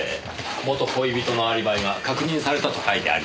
元恋人のアリバイが確認されたと書いてありました。